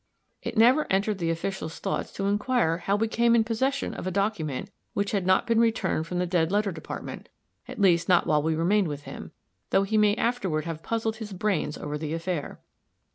It never entered the official's thoughts to inquire how we came in possession of a document which had not been returned from the Dead Letter Department at least, not while we remained with him though he may afterward have puzzled his brains over the affair.